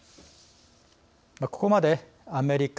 ここまでアメリカ